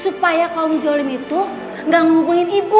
supaya apa supaya kaum zolim itu gak ngehubungin ibu